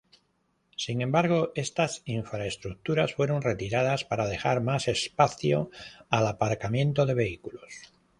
Sin embargo, estas infraestructuras fueron retiradas para dejar más espacio al aparcamiento de vehículos.